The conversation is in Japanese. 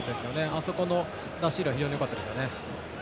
あそこの出し入れは非常によかったですよね。